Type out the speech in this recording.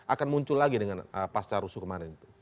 akan muncul lagi dengan pasca rusuh kemarin itu